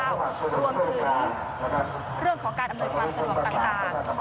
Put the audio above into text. รวมถึงเรื่องของการอำนวยความสะดวกต่าง